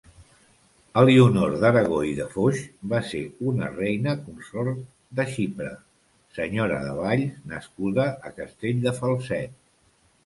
Elionor d'Aragó i de Foix va ser una reina consort de Xipre, senyora de Valls nascuda a Castell de Falset.